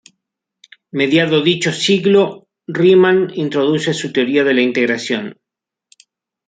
Mediado dicho siglo, Riemann introduce su teoría de la integración.